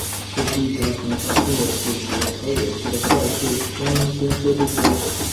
是第一条横跨新北市及桃园市的快速公车路线。